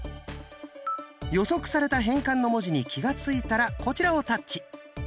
予測された変換の文字に気が付いたらこちらをタッチ。